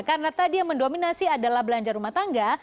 karena tadi yang mendominasi adalah belanja rumah tangga